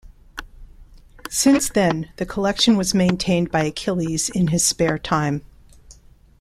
Since then the Collection was maintained by Achilles in his spare time.